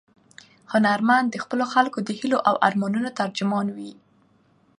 هنرمند د خپلو خلکو د هیلو او ارمانونو ترجمان وي.